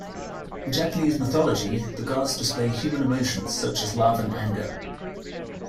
In Japanese mythology, the gods display human emotions, such as love and anger.